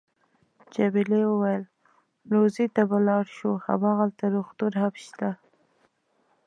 جميلې وويل:: لوزین ته به ولاړ شو، هماغلته روغتون هم شته.